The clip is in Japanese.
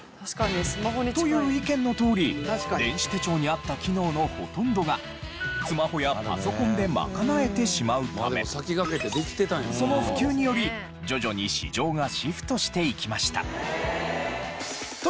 という意見のとおり電子手帳にあった機能のほとんどがスマホやパソコンで賄えてしまうためその普及によりという事で第１位は。